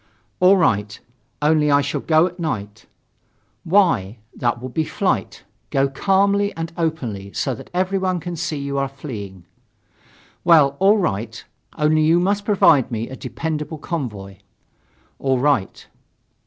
"All right. Only I shall go at night." "Why? That would be flight. Go calmly and openly, so that everyone can see that you are fleeing." "Well, all right. Only you must provide for me a dependable convoy." "All right."